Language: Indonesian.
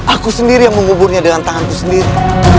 aku sendiri yang menguburnya dengan tanganku sendiri